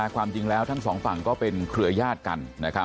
ความจริงแล้วทั้งสองฝั่งก็เป็นเครือญาติกัน